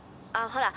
ああ！